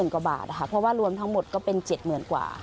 กว่าบาทค่ะเพราะว่ารวมทั้งหมดก็เป็น๗๐๐๐กว่า